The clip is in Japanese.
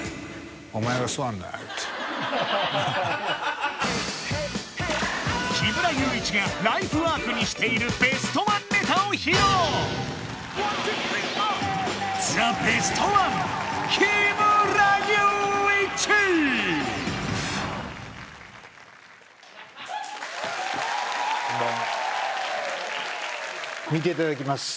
前に言うて木村祐一がライフワークにしているベストワンネタを披露ザ・ベストワンこんばんは見ていただきます